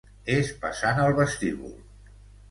És passant el vestíbul.